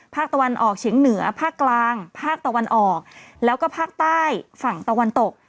ภาคตะวันออกเฉียงเหนือภาคกลางภาคตะวันออกแล้วก็ภาคใต้ฝั่งตะวันตก